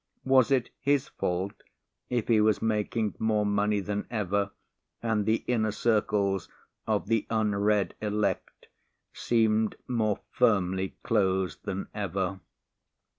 Was it his fault if he was making more money than ever and the inner circles of the unread elect seemed more firmly closed than ever?